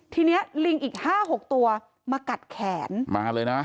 ทีนี้ลิงอีกห้าหกตัวมากัดแขนมาเลยนะ